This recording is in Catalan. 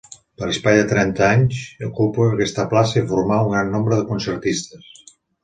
Per espai de trenta anys ocupa aquesta plaça i formà un gran nombre de concertistes.